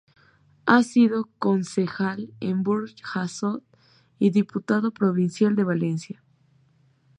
Ha sido concejal en Burjasot y diputado provincial de Valencia.